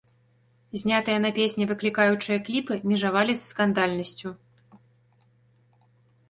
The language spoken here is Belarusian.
Знятыя на песні выклікаючыя кліпы межавалі з скандальнасцю.